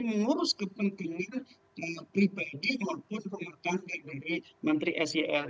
mengurus kepentingan pribadi maupun pemerintah dari menteri sel